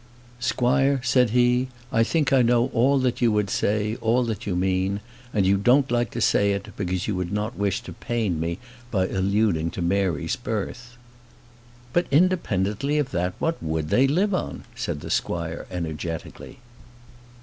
"Squire," said he. "I think I know all that you would say, all that you mean. And you don't like to say it, because you would not wish to pain me by alluding to Mary's birth." "But, independently of that, what would they live on?" said the squire, energetically.